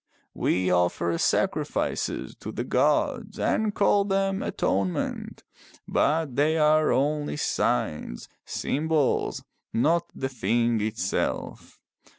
We offer sacrifices to the gods and call them atonement. But they are only signs, symbols, not the thing itself.